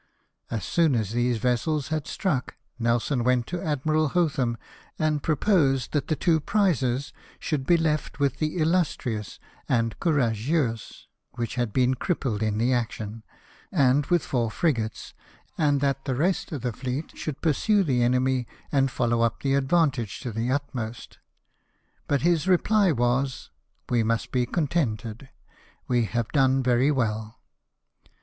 As soon as these vessels had struck, Nelson went to Admiral Hothain and proposed that the tAvo prizes should be left with the Illustrious and Courageux, which had been crippled in the action, and with four frigates, and that the rest of the fleet should pursue the enemy, and follow up the advantage to the utmost. But his reply was^"We must be con tented, we have done very well."